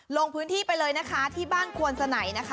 ลงพื้นที่ไปเลยนะคะที่บ้านควนสนัยนะคะ